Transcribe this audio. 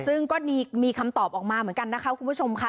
ซึ่งก็มีคำตอบออกมาเหมือนกันนะคะคุณผู้ชมค่ะ